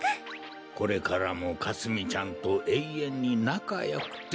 これからもかすみちゃんとえいえんになかよくって。